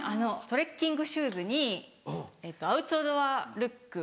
トレッキングシューズにえっとアウトドアルック。